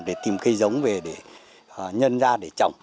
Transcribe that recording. để tìm cây giống về để nhân ra để trồng